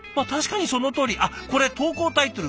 あっこれ投稿タイトル